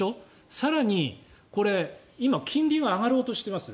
更に、今金利が上がろうとしています。